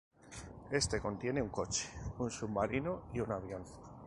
Este contiene un coche, un submarino y un avión.